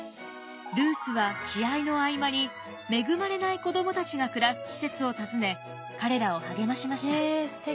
ルースは試合の合間に恵まれない子どもたちが暮らす施設を訪ね彼らを励ましました。